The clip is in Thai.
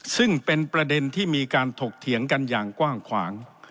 ซึ่งเป็นประเด็นที่มีการถกเถียงกันอย่างกว้างขวาง